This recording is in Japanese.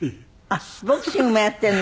あっボクシングもやってるの？